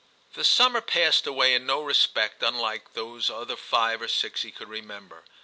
The summer passed away in no respect unlike those other five or six he could I TIM 15 remember.